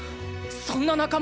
そんな仲間